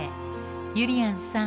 ゆりやんさん